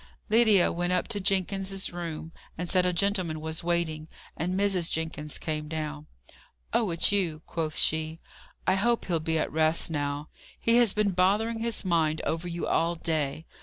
Lydia went up to Jenkins's sick room, and said a gentleman was waiting: and Mrs. Jenkins came down. "Oh, it's you!" quoth she. "I hope he'll be at rest now. He has been bothering his mind over you all day.